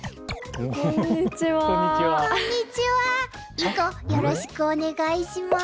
いごよろしくお願いします。